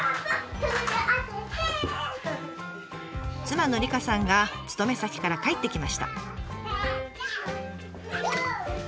妻の梨香さんが勤め先から帰ってきました。